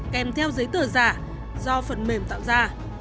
kèm theo giấy tờ giả do phần mềm tạo ra